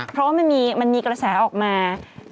เพราะว่ามันมีกระแสออกมา